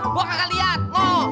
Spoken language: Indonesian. gue gak kelihatan lo